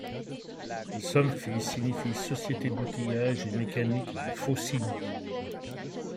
Somfy signifie Société d'outillage et mécanique du Faucigny.